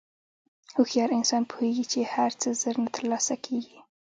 هوښیار انسان پوهېږي چې هر څه زر نه تر لاسه کېږي.